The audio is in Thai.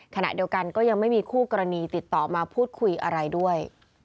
ขณะเดียวกันก็ยังไม่มีคู่กรณีติดต่อมาพูดคุยอะไรด้วย